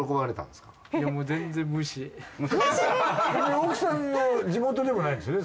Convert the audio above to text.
奥さんの地元でもないんですね？